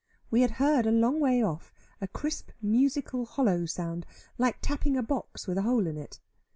We had heard a long way off a crisp musical hollow sound, like tapping a box with a hole in it.